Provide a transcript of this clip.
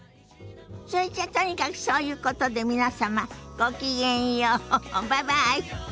それじゃとにかくそういうことで皆様ごきげんようバイバイ。